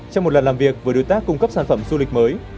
trong một lần làm việc với đối tác cung cấp sản phẩm du lịch mới